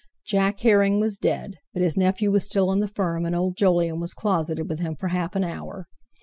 Jack Herring was dead, but his nephew was still in the firm, and old Jolyon was closeted with him for half an hour.